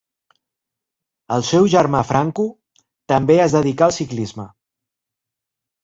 El seu germà Franco també es dedicà al ciclisme.